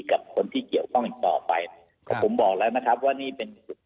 และก็สปอร์ตเรียนว่าคำน่าจะมีการล็อคกรมการสังขัดสปอร์ตเรื่องหน้าในวงการกีฬาประกอบสนับไทย